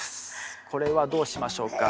これはどうしましょうか。